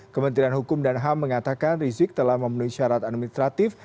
kementerian hukum dan ham mengatakan rizik telah memenuhi syarat administratif